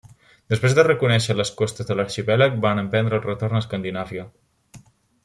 Després de reconèixer les costes de l'arxipèlag, van emprendre el retorn a Escandinàvia.